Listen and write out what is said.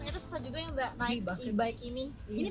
bagaimana perasaan anda menikmati e bike di e bike